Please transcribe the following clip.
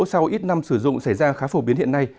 sau ít năm sử dụng xảy ra khá phổ biến hiện nay